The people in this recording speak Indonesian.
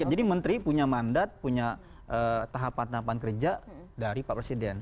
menteri punya mandat punya tahapan tahapan kerja dari pak presiden